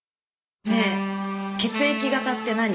ねえ血液型って何？